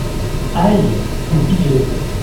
Aïe ! vous me piquez !